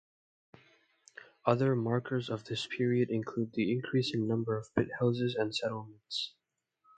Other markers of this period include the increasing number of pithouses and settlements.